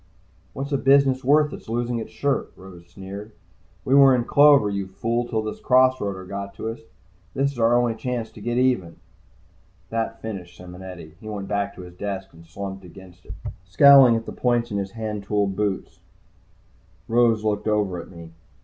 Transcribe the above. "What's a business worth that's losing its shirt?" Rose sneered. "We were in clover, you fool, till this cross roader got to us. This is our only chance to get even." That finished Simonetti. He went back to his desk and slumped against it, scowling at the points of his handtooled boots. Rose looked over at me.